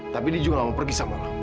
tapi dia juga gak mau pergi sama lo